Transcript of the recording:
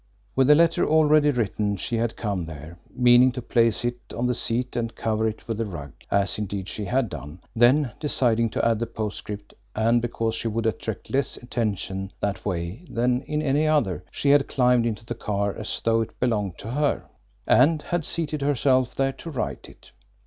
With the letter already written, she had come there, meaning to place it on the seat and cover it with the rug, as, indeed, she had done; then, deciding to add the postscript, and because she would attract less attention that way than in any other, she had climbed into the car as though it belonged to her, and had seated herself there to write it.